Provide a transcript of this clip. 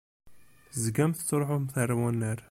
Tezgamt tettṛuḥumt ar wannar.